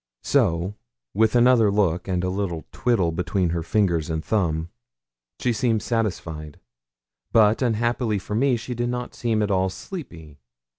So, with another look and a little twiddle between her finger and thumb, she seemed satisfied; but, unhappily for me, she did not seem at all sleepy.